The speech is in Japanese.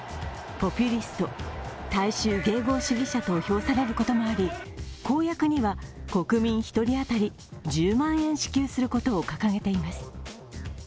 ポピュリスト＝大衆迎合主義者と評されることもあり、公約には国民一人当たり１０万円支給することを掲げています。